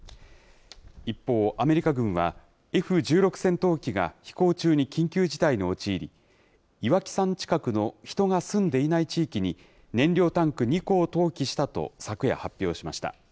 一方、アメリカ軍はＦ１６戦闘機が飛行中に緊急事態に陥り、岩木山近くの人が住んでいない地域に、燃料タンク２個を投棄したと、昨夜発表しました。